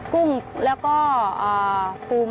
กุ้มแล้วก็ปูม้า